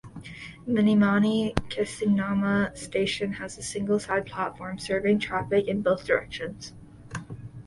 Minami-Kesennuma Station had a single side platform serving traffic in both directions.